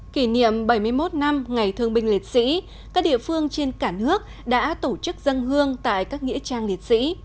kỷ niệm bảy mươi một năm ngày thương binh liệt sĩ các địa phương trên cả nước đã tổ chức dân hương tại các nghĩa trang liệt sĩ